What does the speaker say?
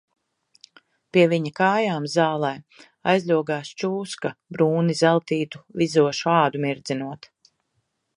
Pie viņa kājām zālē aizļogās čūska brūni zeltītu, vizošu ādu mirdzinot.